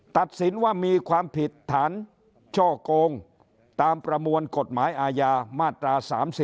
ตัดสินว่ามีความผิดฐานช่อกงตามประมวลกฎหมายอาญามาตรา๓๔